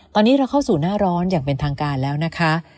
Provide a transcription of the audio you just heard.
ตอนนี้เราเข้าสู่หน้าร้อนอย่างเป็นทางการแล้วนะคะ